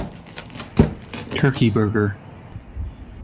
Turkey burger.